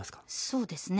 そうですね。